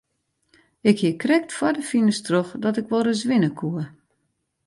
Ik hie krekt foar de finish troch dat ik wol ris winne koe.